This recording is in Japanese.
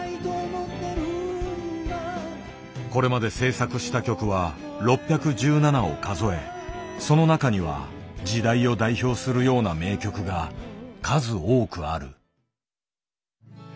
これまで制作した曲は６１７を数えその中には時代を代表するような名曲が数多くある。